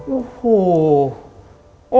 โอ้โห